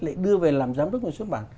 lại đưa về làm giám đốc của xuất bản